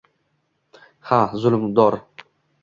«Ha, zulmbor